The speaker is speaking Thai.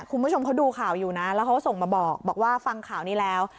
คุณผู้ชมเขาดูข่าวอยู่นะแล้วเขาก็ส่งมาบอกว่าฟังข่าวนี้แล้ว